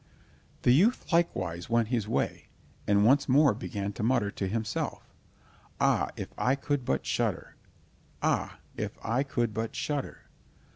The youth likewise went his way, and once more began to mutter to himself: "Ah, if I could but shudder! Ah, if I could but shudder!"